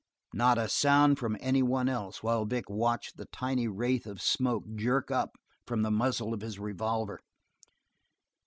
Not a sound from any one else, while Vic watched the tiny wraith of smoke jerk up from the muzzle of his revolver.